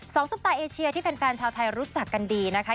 ซุปตาเอเชียที่แฟนชาวไทยรู้จักกันดีนะคะ